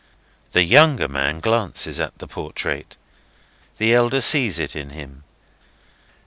The younger man glances at the portrait. The elder sees it in him.